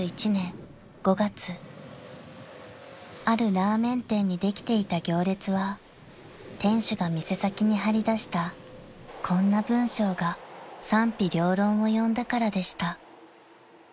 ［あるラーメン店にできていた行列は店主が店先に張り出したこんな文章が賛否両論を呼んだからでした］